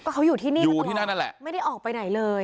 เขาอยู่ที่นี่หรอไม่ได้ออกไปไหนเลย